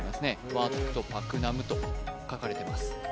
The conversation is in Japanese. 「ワット・パクナム」と書かれてます